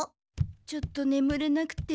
ちょっとねむれなくて。